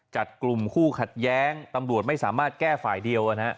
จัดกลุ่มคู่ขัดแย้งตำรวจไม่สามารถแก้ฝ่ายเดียว